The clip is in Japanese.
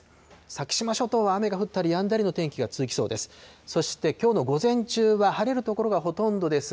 先島諸島は雨が降ったりやんだりの天気が続きそうです。